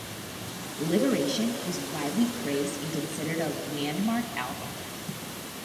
"Liberation" was widely praised and considered a landmark album.